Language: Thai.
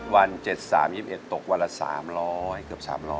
วัน๗๓๒๑ตกวันละ๓๐๐เกือบ๓๐๐